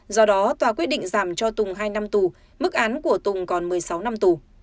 do đó tòa quyết định giảm cho tùng hai năm tù mức án của tùng còn một mươi sáu năm tù